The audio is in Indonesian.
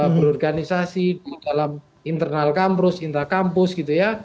berorganisasi di dalam internal campus gitu ya